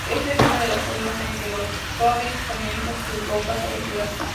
Esta es una de las formas en que los Rabbids comienzan sus locas aventuras.